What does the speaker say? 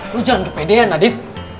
lo jangan kepedean adif